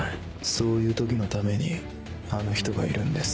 そういう時のためにあの人がいるんです。